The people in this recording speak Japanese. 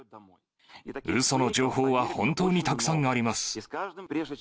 うその情報は本当にたくさんあります。